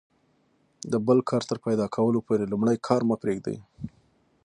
د بل کار تر پیدا کیدلو پوري لومړی کار مه پرېږئ!